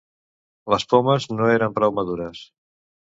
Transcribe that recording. Les pomes no eren prou madures.